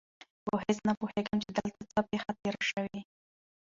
په هېڅ نه پوهېږم چې دلته څه پېښه تېره شوې.